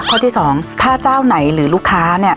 ข้อที่๒ถ้าเจ้าไหนหรือลูกค้าเนี่ย